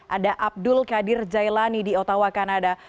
ada abdul qadir jailani di ottawa kanada